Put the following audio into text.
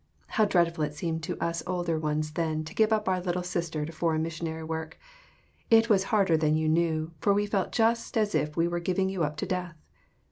How dreadful it seemed to us older ones then to give up our little sister to foreign mission ary work. It was harder than you knew, for we felt just as if we were giving you up to death.